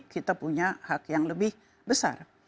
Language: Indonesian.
kita punya hak yang lebih besar